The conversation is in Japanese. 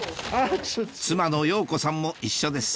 妻の洋子さんも一緒です